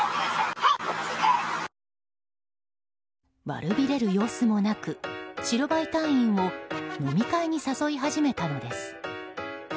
悪びれる様子もなく白バイ隊員を飲み会に誘い始めたのです。